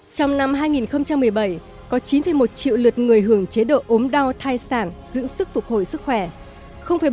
trong năm hai nghìn một mươi bảy có chín một triệu lượt người hưởng chế độ ốm đau thai sản giữ sức phục hồi sức khỏe